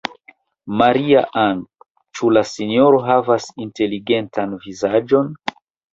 Maria-Ann, ĉu la sinjoro havas inteligentan vizaĝon?